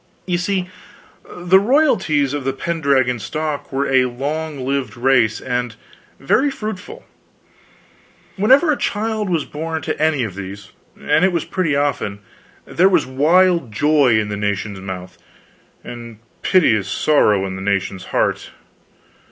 You see, the royalties of the Pendragon stock were a long lived race and very fruitful. Whenever a child was born to any of these and it was pretty often there was wild joy in the nation's mouth, and piteous sorrow in the nation's heart.